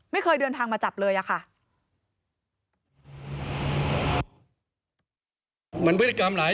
ไม่เคยเดินทางมาจับเลยอะค่ะ